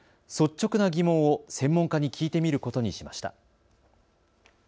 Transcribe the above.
率直な疑問を専門家に聞いてみることにしました。